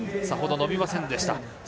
さほど伸びませんでした。